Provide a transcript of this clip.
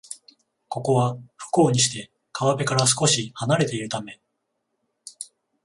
ここは、不幸にして川辺から少しはなれているため